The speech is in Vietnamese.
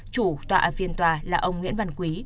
chủ tọa phiên tòa là ông nguyễn văn quý